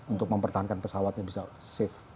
untuk mempertahankan pesawatnya bisa safe